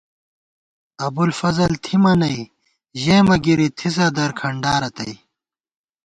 ابُوالفضل تھِمہ نئ، ژېمہ گِری تھِسہ درکھنڈارتئ